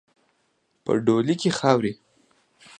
په ډولۍ کې خاروئ.